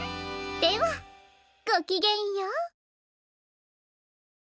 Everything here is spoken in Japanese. ではごきげんよう。